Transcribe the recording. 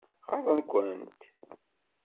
Ɣaḍen-kent?